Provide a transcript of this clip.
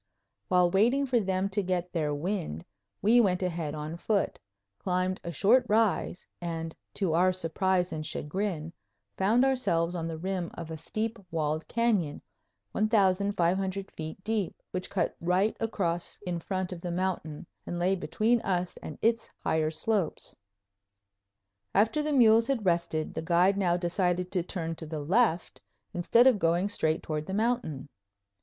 While waiting for them to get their wind we went ahead on foot, climbed a short rise, and to our surprise and chagrin found ourselves on the rim of a steep walled canyon, 1500 feet deep, which cut right across in front of the mountain and lay between us and its higher slopes. After the mules had rested, the guide now decided to turn to the left instead of going straight toward the mountain.